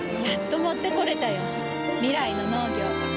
やっと持ってこれたよ。未来の農業。